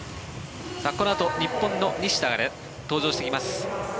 このあと、日本の西田が登場してきます。